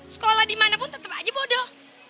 sekolah dimanapun tetap aja bodoh